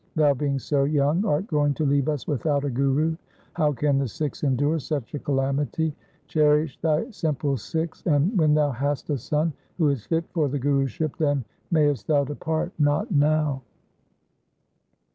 Thou being so young art going to leave us without a Guru. How can the Sikhs endure such a calamity ? Cherish thy simple Sikhs, and, when thou hast a son who is fit for the Guruship, then mayest thou depart, not now.'